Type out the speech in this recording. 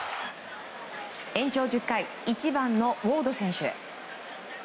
延長１０回１番のウォード選手。